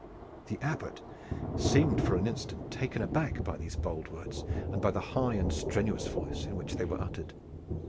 The Abbot seemed for an instant taken aback by these bold words, and by the high and strenuous voice in which they were uttered.